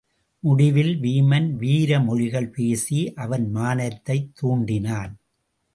முடிவில் வீமன் வீர மொழிகள் பேசி அவன் மானத்தைத் துண்டினான்.